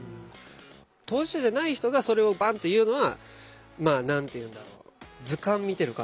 当事者じゃない人がそれをバンって言うのはまあ何て言うんだろう